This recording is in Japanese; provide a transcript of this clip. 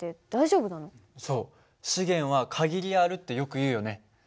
そう資源は限りあるってよくいうよね。